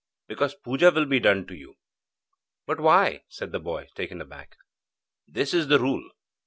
'Because puja will be done to you.' 'But why?' said the boy, taken aback. 'This is the rule.'